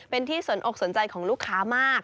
เป็นที่สนอกสนใจของลูกค้ามาก